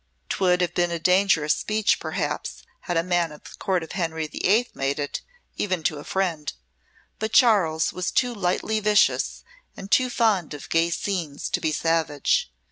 'Twould have been a dangerous speech perhaps had a man of the Court of Henry the Eighth made it, even to a friend, but Charles was too lightly vicious and too fond of gay scenes to be savage.